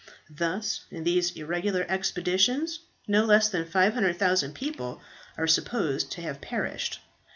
"Thus, in these irregular expeditions no less than 500,000 people are supposed to have perished.